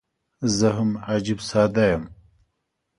زه هم عجيب ساده یم.